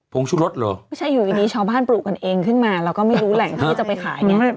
งชุรสเหรอไม่ใช่อยู่ดีชาวบ้านปลูกกันเองขึ้นมาเราก็ไม่รู้แหล่งที่จะไปขายไง